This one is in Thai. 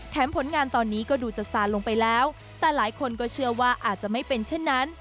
ผลงานตอนนี้ก็ดูจะซาลงไปแล้วแต่หลายคนก็เชื่อว่าอาจจะไม่เป็นเช่นนั้น